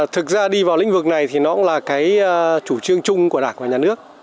thực ra đi vào lĩnh vực này thì nó cũng là cái chủ trương chung của đảng và nhà nước